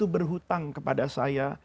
berhutang kepada saya